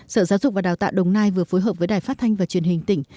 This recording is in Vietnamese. sở giáo dục và đào tạo đồng nai vừa phối hợp với đài phát thanh và truyền hình tỉnh